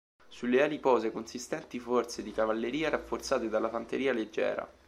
Sulle ali pose consistenti forze di cavalleria rafforzate dalla fanteria leggera.